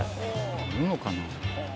あるのかな？